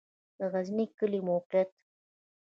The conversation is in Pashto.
د غزنی کلی موقعیت